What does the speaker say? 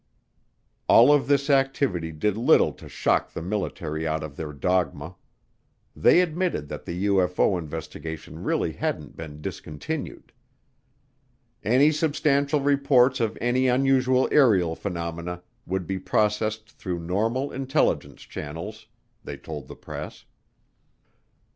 All of this activity did little to shock the military out of their dogma. They admitted that the UFO investigation really hadn't been discontinued. "Any substantial reports of any unusual aerial phenomena would be processed through normal intelligence channels," they told the press.